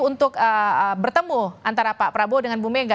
untuk bertemu antara pak prabowo dengan bu mega